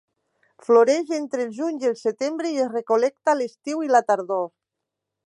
Floreix entre el juny i el setembre i es recol·lecta a l'estiu i la tardor.